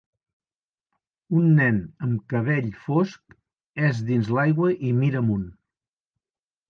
Un nen amb el cabell fosc és dins de l'aigua i mira amunt.